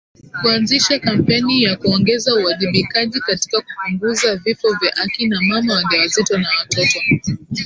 Kuanzisha kampeni ya kuongeza uwajibikaji katika kupunguza vifo vya akina mama wajawazito na watoto